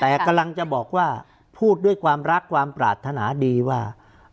แต่กำลังจะบอกว่าพูดด้วยความรักความปรารถนาดีว่า